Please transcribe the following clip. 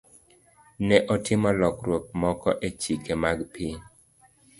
Ne otim lokruok moko e chike mag piny.